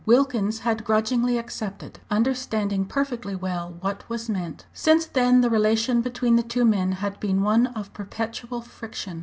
Wilkins had grudgingly accepted, understanding perfectly well what was meant. Since then the relation between the two men had been one of perpetual friction.